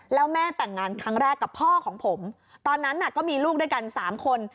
แล้วแม่แต่งงานครั้งแรกกับพ่อของผมตอนนั้นก็มีลูกด้วยกัน๓คน